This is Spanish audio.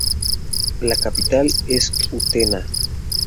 La capital es Utena.